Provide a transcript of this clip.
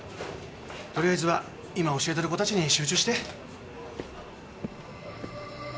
とりあえずは今教えてる子たちに集中して。